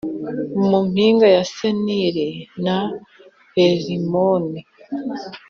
mu mpinga ya Seniri na Herimoni